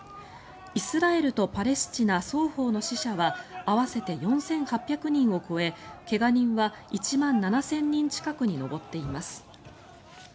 イスラエルとパレスチナ双方の死者は合わせて４８００人を超え怪我人は１万７０００人近くに上っています。